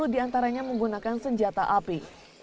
sepuluh diantaranya menggunakan senjata api